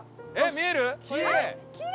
見える？